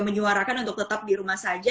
menyuarakan untuk tetap di rumah saja